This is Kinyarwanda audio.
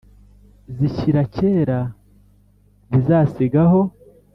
zishyira kera ntizasigaho